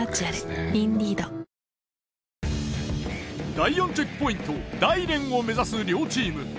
第４チェックポイント大輦を目指す両チーム。